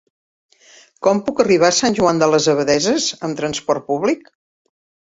Com puc arribar a Sant Joan de les Abadesses amb trasport públic?